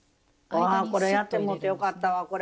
あこれやってもうてよかったわ。